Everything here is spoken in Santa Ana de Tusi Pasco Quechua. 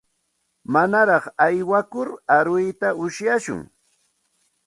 Manaraq aywakur aruyta ushashun.